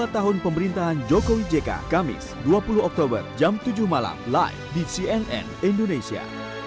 tiga tahun pemerintahan jokowi jk kamis dua puluh oktober jam tujuh malam live di cnn indonesia